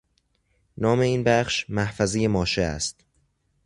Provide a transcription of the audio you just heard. نام این بخش، محفظه ماشه است